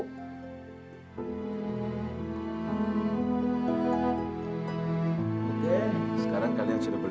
oke sekarang kalian silap silap keluar ya